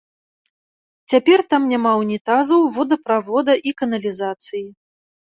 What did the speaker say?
Цяпер там няма ўнітазаў, водаправода і каналізацыі.